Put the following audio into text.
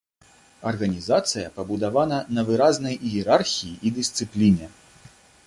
Арганізацыя пабудавана на выразнай іерархіі і дысцыпліне.